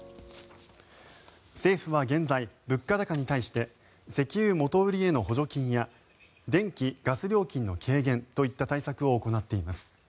政府は現在、物価高に対して石油元売りへの補助金や電気・ガス料金の軽減といった対策を行っています。